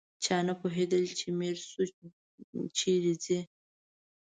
چا نه پوهېدل چې میرشو چیرې ځي.